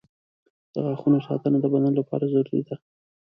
• د غاښونو ساتنه د بدن لپاره ضروري ده.